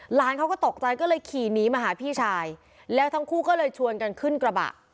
หลานเขาก็ตกใจก็เลยขี่หนีมาหาพี่ชายแล้วทั้งคู่ก็เลยชวนกันขึ้นกระบะ